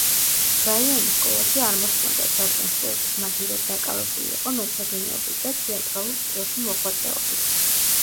ბრაიანი სკოლაში არ მოსწონდათ, რადგან სპორტის მაგივრად დაკავებული იყო მეცადინეობით და თეატრალურ წრეში მოღვაწეობით.